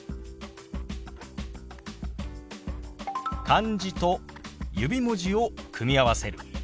漢字と指文字を組み合わせる。